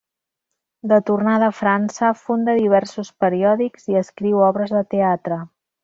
De tornada a França, funda diversos periòdics i escriu obres de teatre.